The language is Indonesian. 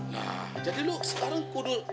nah jadi lu sekarang kudul